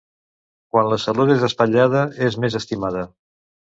Quan la salut és espatllada és més estimada.